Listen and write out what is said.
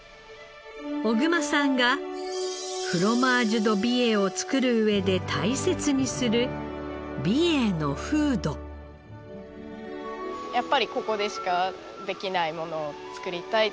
小熊さんがフロマージュ・ド・美瑛を作る上でやっぱりここでしかできないものを作りたい。